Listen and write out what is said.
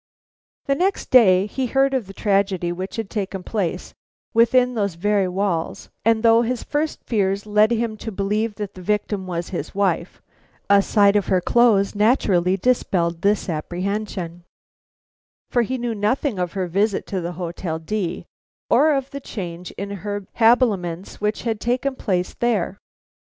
The next day he heard of the tragedy which had taken place within those very walls; and though his first fears led him to believe that the victim was his wife, a sight of her clothes naturally dispelled this apprehension, for he knew nothing of her visit to the Hotel D or of the change in her habiliments which had taken place there.